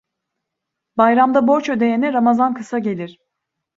Bayramda borç ödeyene ramazan kısa gelir.